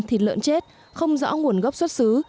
thịt lợn chết không rõ nguồn gốc xuất xứ